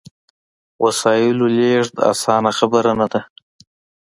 وسایلو لېږد اسانه خبره نه ده.